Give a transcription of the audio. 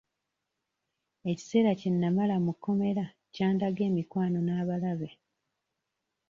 Ekiseera kye namala mu kkomera kyandaga emikwano n'abalabe.